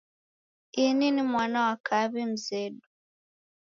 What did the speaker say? Ini ni mwana wa kaw'i mzedu.